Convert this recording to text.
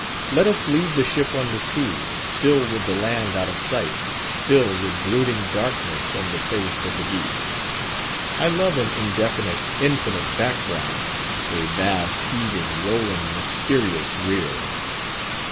Let us leave the ship on the sea—still with the land out of sight—still with brooding darkness on the face of the deep. I love an indefinite, infinite background—a vast, heaving, rolling, mysterious rear!